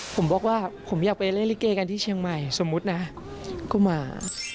ผมบอกว่าผมอยากไปเล่นลิเกกันที่เชียงใหม่สมมุตินะก็มา